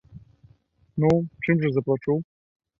Ну, чым жа заплачу?